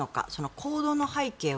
行動の背景は